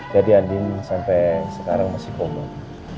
jadi andi sampai sekarang masih punggung